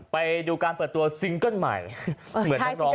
ไปดูการเปิดตัวซิงเกิ้ลใหม่